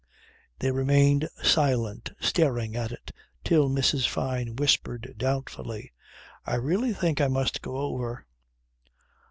They remained silent staring at it till Mrs. Fyne whispered doubtfully "I really think I must go over."